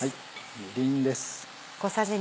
みりんです。